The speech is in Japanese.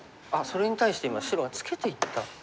それに対して今白はツケていった。